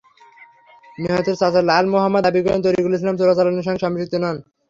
নিহতের চাচা লাল মোহাম্মদ দাবি করেন, তরিকুল ইসলাম চোরাচালানের সঙ্গে সম্পৃক্ত নন।